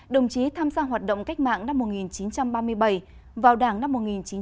đồng chí tham gia hoạt động cách mạng năm một nghìn chín trăm ba mươi bảy vào đảng năm một nghìn chín trăm bốn mươi năm